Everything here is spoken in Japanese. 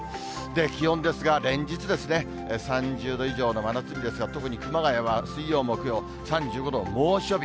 気温ですが、連日ですね、３０度以上の真夏日ですが、特に熊谷は水曜、木曜、３５度、猛暑日。